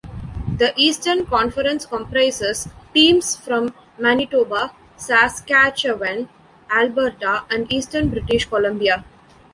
The Eastern Conference comprises teams from Manitoba, Saskatchewan, Alberta and eastern British Columbia.